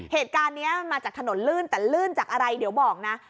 เหตุการณ์นี้มาจากถนนลื่นแต่ลื่นจากอะไรเดี๋ยวบอกนะ